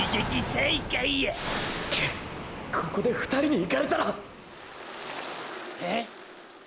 ここで２人に行かれたらーー！！！